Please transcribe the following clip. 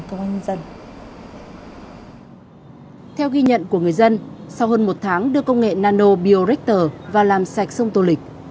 theo ghi nhận của người dân sau hơn một tháng đưa công nghệ nano bio rector và làm sạch sông tô lịch